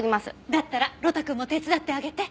だったら呂太くんも手伝ってあげて。